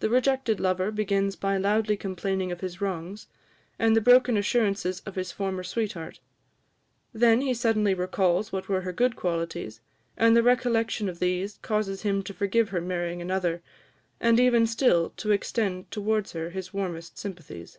The rejected lover begins by loudly complaining of his wrongs, and the broken assurances of his former sweetheart: then he suddenly recalls what were her good qualities; and the recollection of these causes him to forgive her marrying another, and even still to extend towards her his warmest sympathies.